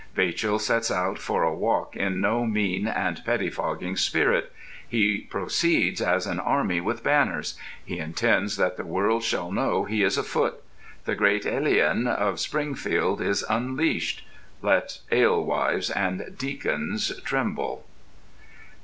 Vachel sets out for a walk in no mean and pettifogging spirit: he proceeds as an army with banners: he intends that the world shall know he is afoot: the Great Elian of Springfield is unleashed—let alewives and deacons tremble!